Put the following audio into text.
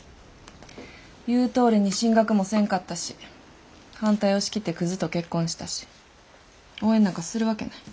言うとおりに進学もせんかったし反対を押し切ってクズと結婚したし応援なんかするわけない。